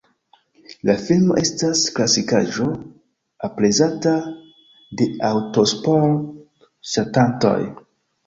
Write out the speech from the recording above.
La filmo estas klasikaĵo, aprezata de aŭtosport-ŝatantoj.